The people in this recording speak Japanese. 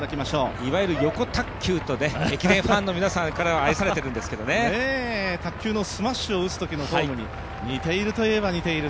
いわゆる、よこたっきゅうと駅伝ファンの皆さんからは愛されてるんですけど卓球のスマッシュを打つときのフォームに似てるといえば似てる。